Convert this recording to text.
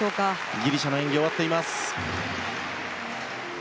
ギリシャの演技終わっています。